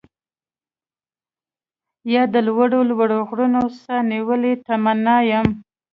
يا د لوړو لوړو غرونو، ساه نيولې تمنا يم